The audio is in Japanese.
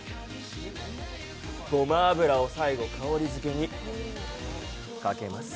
ごま油を最後、香りづけにかけます。